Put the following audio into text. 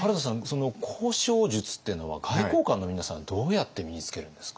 その交渉術っていうのは外交官の皆さんどうやって身につけるんですか？